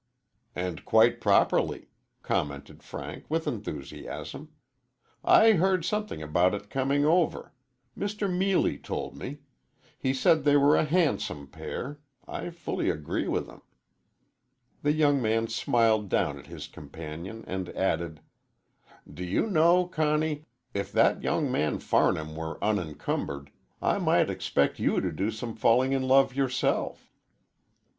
"And quite properly," commented Frank with enthusiasm. "I heard something about it coming over. Mr. Meelie told me. He said they were a handsome pair. I fully agree with him." The young man smiled down at his companion and added: "Do you know, Conny, if that young man Farnham were unencumbered, I might expect you to do some falling in love, yourself."